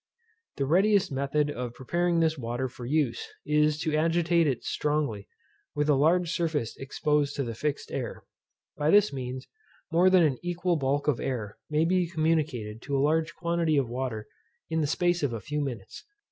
The readiest method of preparing this water for use is to agitate it strongly with a large surface exposed to the fixed air. By this means more than an equal bulk of air may be communicated to a large quantity of water in the space of a few minutes.